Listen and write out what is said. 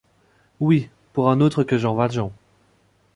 Oui, pour un autre que Jean Valjean.